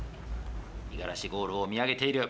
五十嵐ゴールを見上げている。